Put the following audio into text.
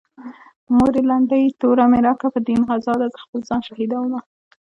مورې لنډۍ توره مې راکړه په دين غزا ده زه خپل ځان شهيدومه